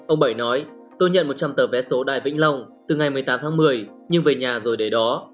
ông bảy nói tôi nhận một trăm linh tờ vé số đài vĩnh long từ ngày một mươi tám tháng một mươi nhưng về nhà rồi để đó